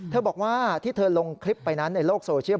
บอกว่าที่เธอลงคลิปไปนั้นในโลกโซเชียล